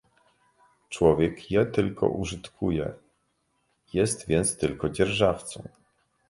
Człowiek je tylko użytkuje, jest więc tylko dzierżawcą